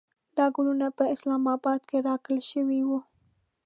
دا ګلونه په اسلام اباد کې راکړل شوې وې.